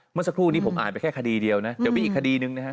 เมื่อสักครู่นี้ผมอ่านไปแค่คดีเดียวนะเดี๋ยวมีอีกคดีหนึ่งนะครับ